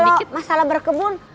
tapi kalau masalah berkebun